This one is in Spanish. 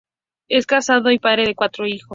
Es casado y padre de cuatro hijos.